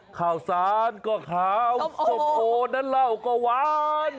ข่าวสานก็ขาวขบโอ้นเหล่าก็หวาน